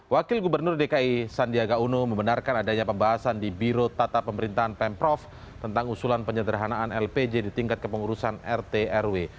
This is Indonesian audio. wakil gubernur dki sandiaga uno membenarkan adanya pembahasan di biro tata pemerintahan pemprov tentang usulan penyederhanaan lpj di tingkat kepengurusan rt rw